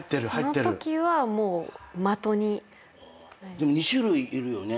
でも２種類いるよね。